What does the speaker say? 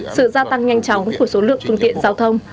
sự gia tăng nhanh chóng của số lượng phương tiện giao thông